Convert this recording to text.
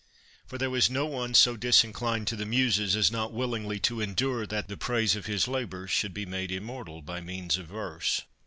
For there was no one so disinclined to the Muses as not will ingly to endure that the praise of his labors should be made immortal by means of verse.